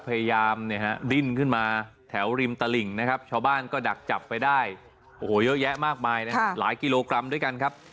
พยายามดิ้นขึ้นมาแถวริมตลิ่งนะครับชาวบ้านก็ดักจับไปได้โอ้โหเยอะแยะมากมายนะครับ